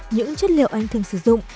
những chất liệu anh thường sử dụng